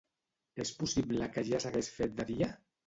És possible que ja s'hagués fet de dia?